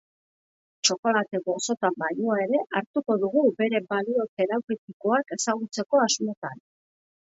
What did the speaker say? Txokolate gozotan bainua ere hartuko dugu bere balio terapeutikoak ezagutzeko asmotan.